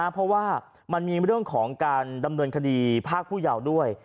เพราะว่ามันมีเรื่องของการดำเนินคดีภาคผู้ยาว์ด้วย